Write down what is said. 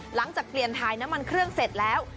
หลังจากเปลี่ยนถ่ายน้ำมันเครื่องเสร็จแล้ว